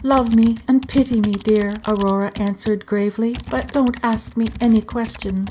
"Love me, and pity me, dear," Aurora answered, gravely, "but don't ask me any questions."